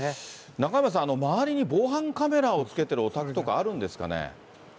中山さん、周りに防犯カメラをつけてるお宅とかあるんですか